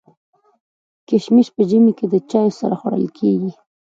کشمش په ژمي کي د چايو سره خوړل کيږي.